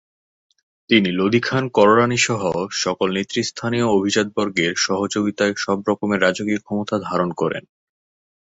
তিনি লোদী খান কররানীসহ সকল নেতৃস্থানীয় অভিজাতবর্গের সহযোগিতায় সবরকমের রাজকীয় ক্ষমতা ধারণ করেন।